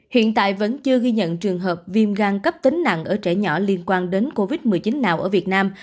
hiện tại vẫn chưa ghi nhận trường hợp viêm gan cấp tính nặng ở trẻ nhỏ liên quan đến covid một mươi chín nào ở việt nam